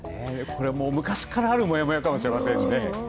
昔からあるもやもやかもしれませんね。